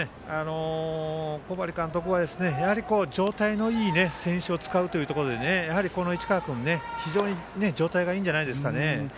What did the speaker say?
小針監督は状態のいい選手を使うというところで市川君、非常に状態がいいんじゃないですかね。